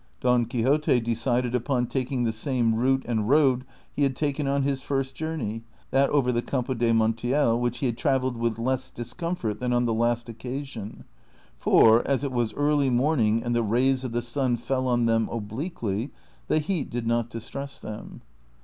Don Quixote decided upon taking the same route and road he had taken on his first journey, that over the Campo de Montiel, which he travelled with less discomfort than on the last occasion, for, as it was early morning and the rays of the sun fell on them obliquely, the heat did not distress them.